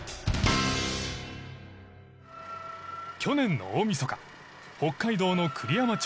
去年の大みそか北海道の栗山町。